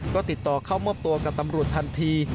ก็ติดต่อเข้ามอบตัวกับตำรวจทันที